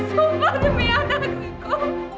sumpah demi anak riko